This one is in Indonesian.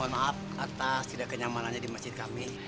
mohon maaf atas tidak kenyamanannya di masjid kami